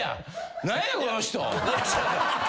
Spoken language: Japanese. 何やこの人。